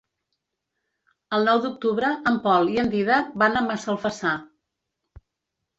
El nou d'octubre en Pol i en Dídac van a Massalfassar.